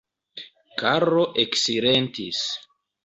Karlo eksilentis.